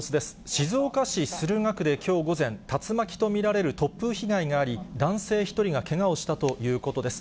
静岡市駿河区できょう午前、竜巻と見られる突風被害があり、男性１人がけがをしたということです。